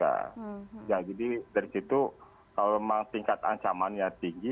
ya jadi dari situ kalau memang tingkat ancamannya tinggi